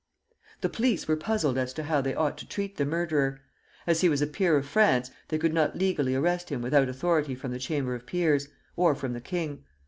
The police were puzzled as to how they ought to treat the murderer. As he was a peer of France, they could not legally arrest him without authority from the Chamber of peers, or from the king.